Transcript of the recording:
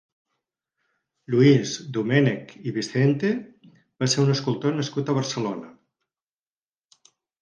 Lluís Domènech i Vicente va ser un escultor nascut a Barcelona.